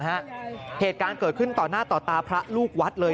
เหตุการณ์เกิดขึ้นต่อหน้าต่อตาพระลูกวัดเลย